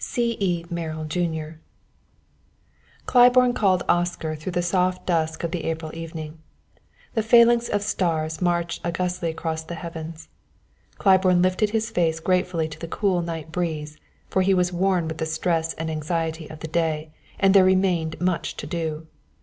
C.E. Merrill, Jr. Claiborne called Oscar through the soft dusk of the April evening. The phalanx of stars marched augustly across the heavens. Claiborne lifted his face gratefully to the cool night breeze, for he was worn with the stress and anxiety of the day, and there remained much to do.